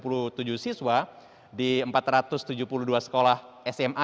tentu saja ini akan berhasil tidaknya pada proses pendaftaran yang telah dilakukan sebelumnya